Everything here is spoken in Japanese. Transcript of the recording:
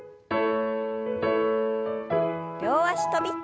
両脚跳び。